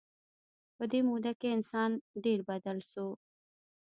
په دې موده کې انسان ډېر بدل شو.